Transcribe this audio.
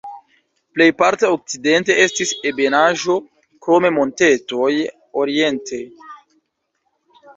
Plejparte okcidente estis ebenaĵo, krome montetoj oriente.